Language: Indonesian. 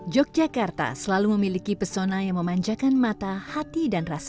yogyakarta selalu memiliki pesona yang memanjakan mata hati dan rasanya